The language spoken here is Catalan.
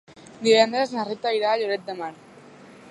Divendres na Rita irà a Lloret de Mar.